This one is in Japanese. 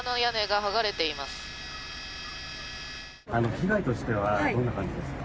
被害としてはどんな感じですか？